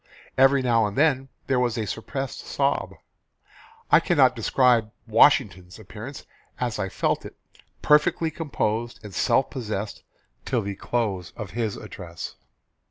Every now and then there was a suppressed sob. I cannot describe Washington's appearance as I felt it perfectly composed and self possessed till the close of his address.